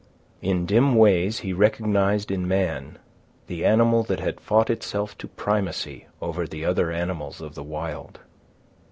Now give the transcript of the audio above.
In dim ways he recognised in man the animal that had fought itself to primacy over the other animals of the Wild.